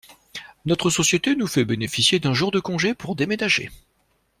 Notre société nous fait bénéficier d'un jour de congé pour déménager.